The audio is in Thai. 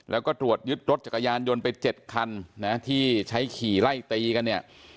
แล้วก็ตรวจยึดรถจักรยานยนต์ไป๗คันนะที่ใช้ขี่ไล่ตีกันเนี่ย